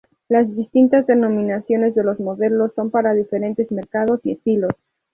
Las distintas denominaciones de los modelos son para diferentes mercados y estilos.